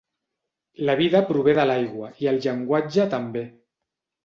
La vida prové de l'aigua i el llenguatge també.